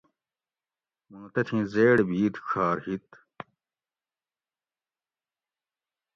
موں تتھی زیڑ بھید ڄھار ہِیت